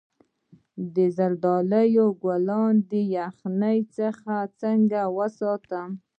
د زردالو ګلونه د یخنۍ څخه څنګه وساتم؟